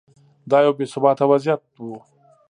دا یو بې ثباته وضعیت و.